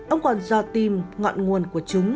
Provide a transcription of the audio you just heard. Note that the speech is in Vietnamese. ông còn do tìm ngọn nguồn của chúng